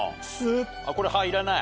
これ歯いらない？